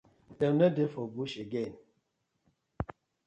Dem no dey for bush again?